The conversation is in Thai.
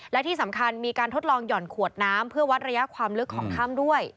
และที่สำคัญมีการทดลองหย่อนขวดน้ำเพื่อวัดระยะความลึกของถ้ำด้วย